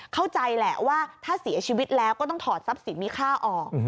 เข้าใจแหละว่าถ้าเสียชีวิตแล้วก็ต้องถอดทรัพย์สินมีค่าออก